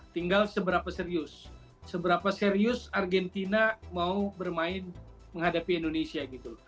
tinggal seberapa serius seberapa serius argentina mau bermain menghadapi indonesia gitu